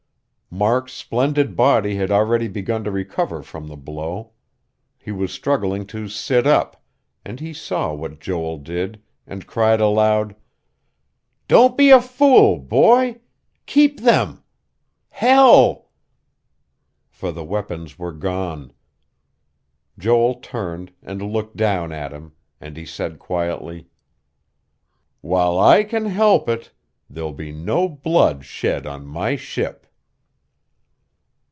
Mark's splendid body had already begun to recover from the blow; he was struggling to sit up, and he saw what Joel did, and cried aloud: "Don't be a fool, boy. Keep them.... Hell!" For the weapons were gone. Joel turned, and looked down at him; and he said quietly: "While I can help it, there'll be no blood shed on my ship."